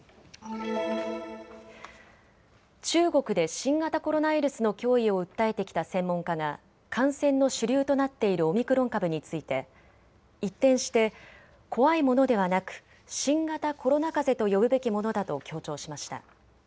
中国で新型コロナウイルスの脅威を訴えてきた専門家が感染の主流となっているオミクロン株について一転して怖いものではなく、新型コロナかぜと呼ぶべきものだと強調しました。